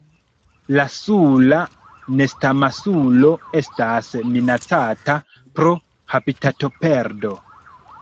La Sula nestamasulo estas minacata pro habitatoperdo.